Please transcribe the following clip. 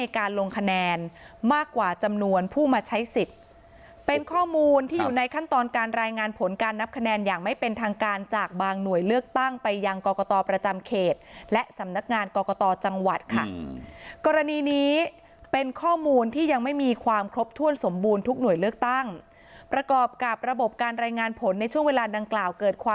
การลงคะแนนมากกว่าจำนวนผู้มาใช้สิทธิ์เป็นข้อมูลที่อยู่ในขั้นตอนการรายงานผลการนับคะแนนอย่างไม่เป็นทางการจากบางหน่วยเลือกตั้งไปยังกรกตประจำเขตและสำนักงานกรกตจังหวัดค่ะกรณีนี้เป็นข้อมูลที่ยังไม่มีความครบถ้วนสมบูรณ์ทุกหน่วยเลือกตั้งประกอบกับระบบการรายงานผลในช่วงเวลาดังกล่าวเกิดคว